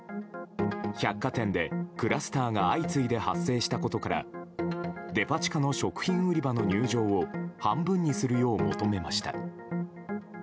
百貨店でクラスターが相次いで発生したことからデパ地下の食品売り場の入場を半分にするよう求めました。